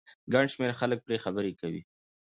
ګن شمېر خلک پرې خبرې کوي